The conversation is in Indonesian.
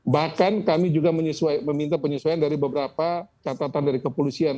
bahkan kami juga meminta penyesuaian dari be kathy katatan dari kepolusian